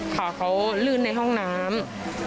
ขาเขาลื่นในห้องน้ำ